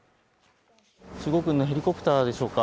中国軍のヘリコプターでしょうか？